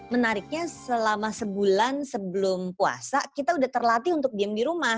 menariknya selama sebulan sebelum puasa kita udah terlatih untuk diam di rumah